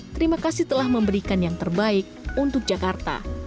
terima kasih telah memberikan yang terbaik untuk jakarta